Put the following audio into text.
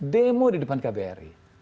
demo di depan kbri